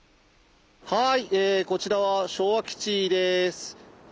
はいこちらは昭和基地です。